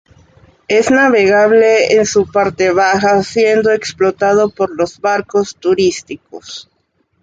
Es navegable en su parte baja, siendo explotado por los barcos turísticos.